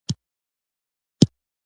د احمد رزق تمام شو او ومړ.